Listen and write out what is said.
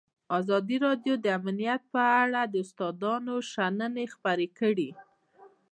ازادي راډیو د امنیت په اړه د استادانو شننې خپرې کړي.